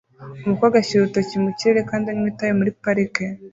Umukobwa ashyira urutoki mu kirere kandi anywa itabi muri parike